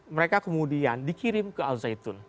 mereka kemudian dikirim ke al zaitun